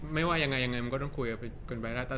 ไม่ว่ายังไงยังไงก็ต้องคุยก่อนไปแล้ว